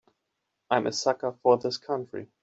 I'm a sucker for this country.